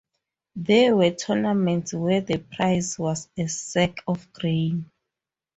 There were tournaments where the prize was a sack of grain.